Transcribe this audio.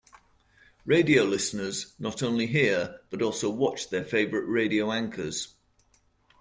Radio listeners not only hear, but also watch their favorite radio anchors.